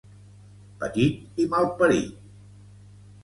petit i mal parit